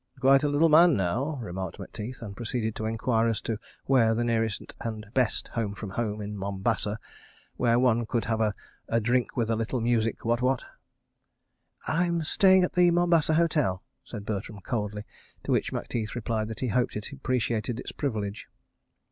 ..." "Quite a little man now," remarked Macteith, and proceeded to enquire as to where was the nearest and best Home from Home in Mombasa, where one could have A Drink and a Little Music what what? "I am staying at the Mombasa Hotel," said Bertram coldly, to which Macteith replied that he hoped it appreciated its privilege.